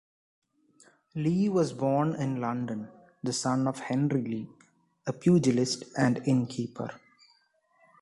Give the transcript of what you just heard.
Lee was born in London, the son of Henry Lee, a pugilist and innkeeper.